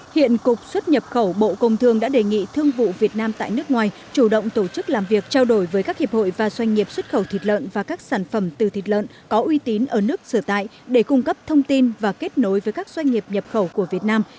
hiện cục xuất nhập khẩu bộ công thương đã đề nghị thương vụ việt nam tại nước ngoài chủ động tổ chức làm việc trao đổi với các hiệp hội và doanh nghiệp xuất khẩu thịt lợn và các sản phẩm từ thịt lợn có uy tín ở nước sửa tại để cung cấp thông tin và kết nối với các doanh nghiệp nhập khẩu của việt nam